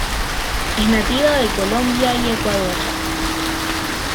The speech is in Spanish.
Es nativa de Colombia y Ecuador.